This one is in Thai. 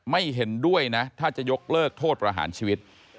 เห็นด้วยนะถ้าจะยกเลิกโทษประหารชีวิต